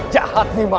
kita harus berubah